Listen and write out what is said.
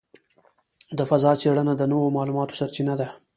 د فضاء څېړنه د نوو معلوماتو سرچینه ده.